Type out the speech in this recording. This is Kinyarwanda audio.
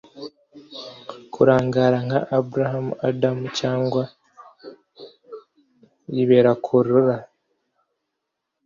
kurangara nka abraham adams cyangwa riberakurora